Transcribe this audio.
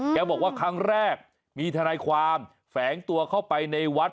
แกบอกว่าครั้งแรกมีทนายความแฝงตัวเข้าไปในวัด